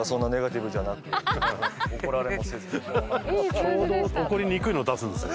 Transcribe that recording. ちょうど怒りにくいのを出すんですよね。